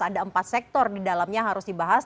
ada empat sektor di dalamnya harus dibahas